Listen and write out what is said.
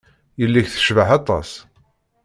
Yelli-k tecbeḥ aṭas.